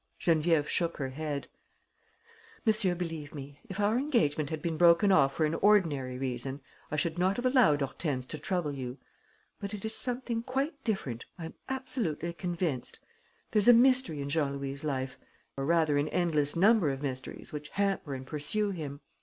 Geneviève shook her head: "Monsieur, believe me, if our engagement had been broken off for an ordinary reason, I should not have allowed Hortense to trouble you. But it is something quite different, I am absolutely convinced. There's a mystery in Jean Louis' life, or rather an endless number of mysteries which hamper and pursue him.